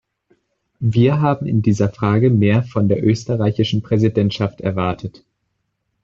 Wir haben in dieser Frage mehr von der österreichischen Präsidentschaft erwartet.